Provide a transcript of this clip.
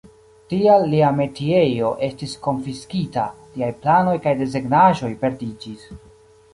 Tial lia metiejo estis konfiskita; liaj planoj kaj desegnaĵoj perdiĝis.